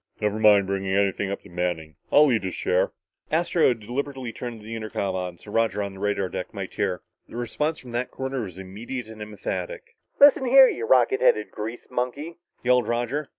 "Never mind bringing anything up to Manning. I'll eat his share." Astro had deliberately turned the intercom on so Roger on the radar deck might hear. The response from that corner was immediate and emphatic. "Listen, you rocket headed grease monkey," yelled Roger.